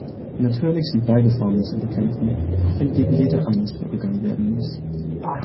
Natürlich sind beide Formen zu bekämpfen, auch wenn gegen jede anders vorgegangen werden muss.